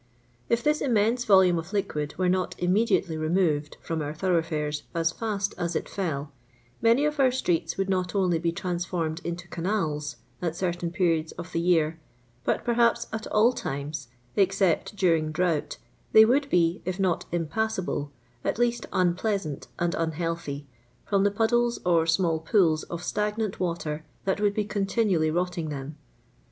If this immense volume of liquid were not immediately removed from our ihorou^'h farcs as fast as it fell, many of our streets would not only be transformed into canals at certam periods of the year, but perhaps at all limes (except during drought) thoy would be, if not inipassablr, at least unpleasant and unhealthy, from the puddles or small pools of staifiiant water that would be continually rotting them.